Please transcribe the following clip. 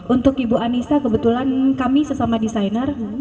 untuk ibu anissa kebetulan kami sesama desainer